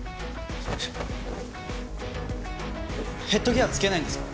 ヘッドギア着けないんですか？